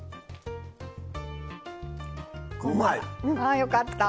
ああよかった。